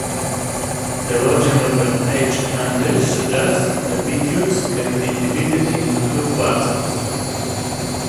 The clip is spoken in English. Theologian Robert H. Gundry suggests the Beatitudes can be divided into two quartets.